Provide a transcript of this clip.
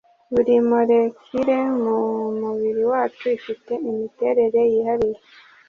Buri molekile mu mubiri wacu ifite imiterere yihariye.